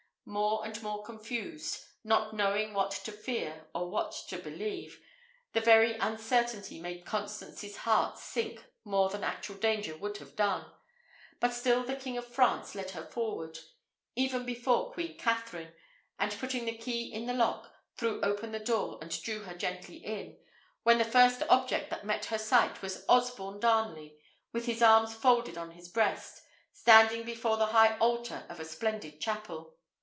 More and more confused, not knowing what to fear or what to believe, the very uncertainty made Constance's heart sink more than actual danger would have done; but still the King of France led her forward, even before Queen Katherine, and, putting the key in the lock, threw open the door, and drew her gently in, when the first object that met her sight was Osborne Darnley, with his arms folded on his breast, standing before the high altar of a splendid chapel.